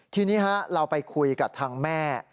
ทีนี้เราไปคุยกับทางแม่